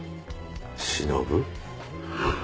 「しのぶ」？